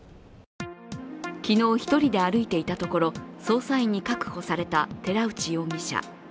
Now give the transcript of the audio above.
昨日、１人で歩いていたところ捜査員に確保された寺内容疑者。